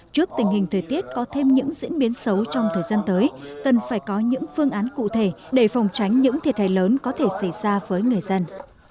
trước tình hình thời tiết có thêm những diễn biến xấu trong thời gian tới cần phải có những phương án cụ thể để phòng tránh những thiệt hại lớn có thể xảy ra với người dân